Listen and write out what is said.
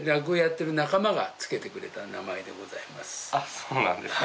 そうなんですか。